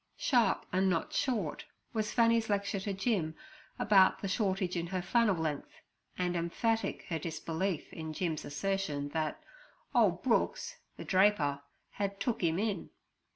Sharp and not short was Fanny's lecture to Jim anent the shortage in her flannel length, and emphatic her disbelief in Jim's assertion that 'ole Brooks' the draper had 'took' him in.